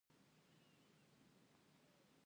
بلخ ته «د ادیانو مور» ویل کېږي